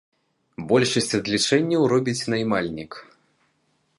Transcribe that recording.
Большасць адлічэнняў робіць наймальнік.